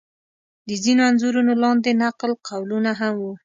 د ځینو انځورونو لاندې نقل قولونه هم و.